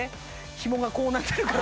ひもがこうなってるから。